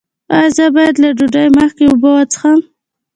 ایا زه باید له ډوډۍ مخکې اوبه وڅښم؟